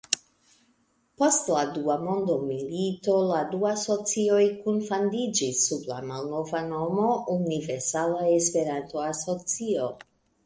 Post la dua mondomilito la du asocioj kunfandiĝis sub la malnova nomo Universala Esperanto-Asocio.